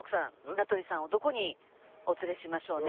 名取さんをどこにお連れしましょうね。